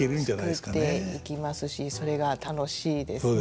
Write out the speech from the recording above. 作っていきますしそれが楽しいですね。